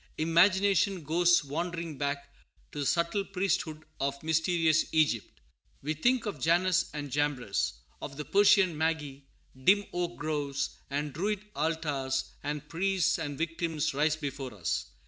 Imagination goes wandering back to the subtle priesthood of mysterious Egypt. We think of Jannes and Jambres; of the Persian magi; dim oak groves, with Druid altars, and priests, and victims, rise before us.